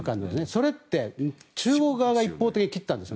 それって中国側が一方的に蹴ったんです。